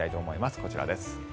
こちらです。